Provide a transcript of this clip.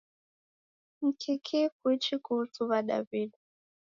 Nkikii kuichi kuhusu Wadaw'ida?